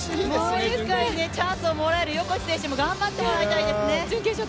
もう一回チャンスをもらえる横地選手も頑張ってほしいですね。